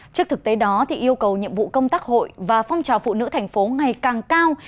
trước thực tế đó yêu cầu nhiệm vụ công tác hội và phong trào phụ nữ thành phố ngày càng cao